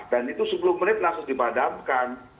dan itu sepuluh menit langsung dibadamkan